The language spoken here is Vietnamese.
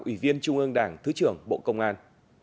ủy viên trung ương đảng thứ trưởng bộ công an